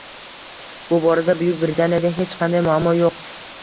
Bu borada Buyuk Britaniyada hech qanday muammo yoʻq.